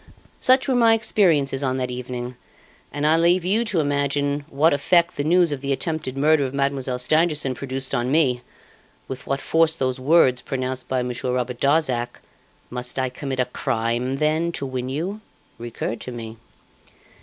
"Such were my experiences on that evening, and I leave you to imagine what effect the news of the attempted murder of Mademoiselle Stangerson produced on me, with what force those words pronounced by Monsieur Robert Darzac, 'Must I commit a crime, then, to win you?' recurred to me.